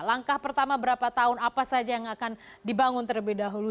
langkah pertama berapa tahun apa saja yang akan dibangun terlebih dahulu